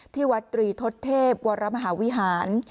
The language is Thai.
ที่วัดตรีทศเทพวรมหาวิหาร